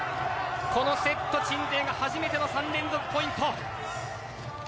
このセット鎮西が初めての３連続ポイント。